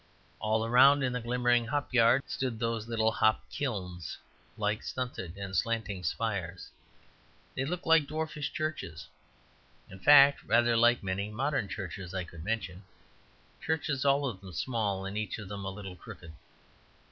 All around in the glimmering hop yards stood those little hop kilns like stunted and slanting spires. They look like dwarfish churches in fact, rather like many modern churches I could mention, churches all of them small and each of them a little crooked.